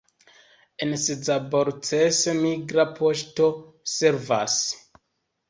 En Szabolcs migra poŝto servas.